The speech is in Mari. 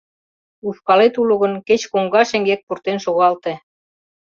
Ушкалет уло гын, кеч коҥга шеҥгек пуртен шогалте.